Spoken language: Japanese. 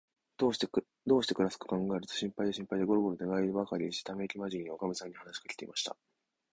どうしてくらすかかんがえると、心配で心配で、ごろごろ寝がえりばかりして、ためいきまじりに、おかみさんに話しかけました。